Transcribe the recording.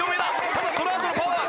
ただそのあとのパワー！